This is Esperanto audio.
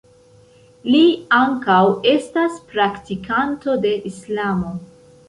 Li ankaŭ estas praktikanto de islamo.